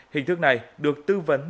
hình thức này được tư vấn